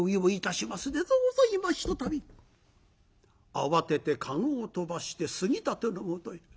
慌てて駕籠を飛ばして杉立のもとへ。